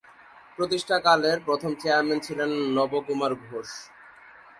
প্রতিষ্ঠাতা কালের প্রথম চেয়ারম্যান ছিলেন নব কুমার ঘোষ।